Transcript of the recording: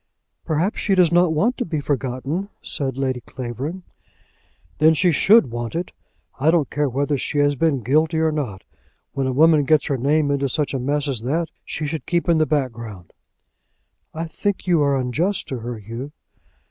"Perhaps she does not want to be forgotten," said Lady Clavering. "Then she should want it. I don't care whether she has been guilty or not. When a woman gets her name into such a mess as that, she should keep in the background." "I think you are unjust to her, Hugh."